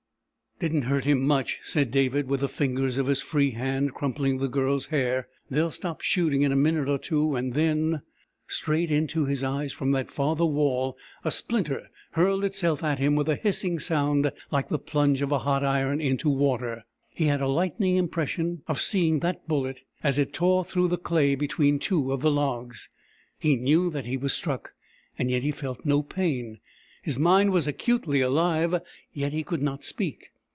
"Didn't hurt him much," said David, with the fingers of his free hand crumpling the Girl's hair. "They'll stop shooting in a minute or two, and then...." Straight into his eyes from that farther wall a splinter hurled itself at him with a hissing sound like the plunge of hot iron into water. He had a lightning impression of seeing the bullet as it tore through the clay between two of the logs; he knew that he was struck, and yet he felt no pain. His mind was acutely alive, yet he could not speak.